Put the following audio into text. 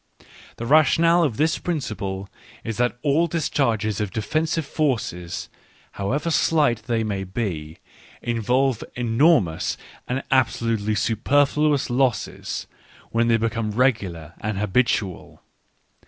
The rationale of this principle is that all discharges of Digitized by Google WHY I AM SO CLEVER 47 defensive forces, however slight they may be, in volve enormous and absolutely superfluous losses when they become regular and habitual.